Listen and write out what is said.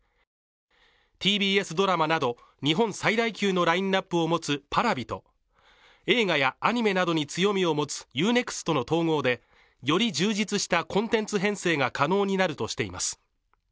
ＴＢＳドラマなど日本最大級のラインナップを持つＰａｒａｖｉと映画やアニメなどに強みを持つＵ−ＮＥＸＴの統合でより充実したコンテンツ編成が可能になるとしています。